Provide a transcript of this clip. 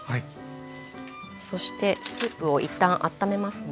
そしてスープを一旦あっためますね。